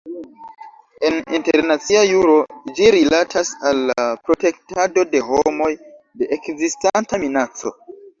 En internacia juro ĝi rilatas al la "protektado de homoj de ekzistanta minaco".